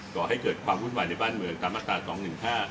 ก่อให้เกิดความรุนหวั่นในบ้านเมืองธรรมศาสตร์๒๑๕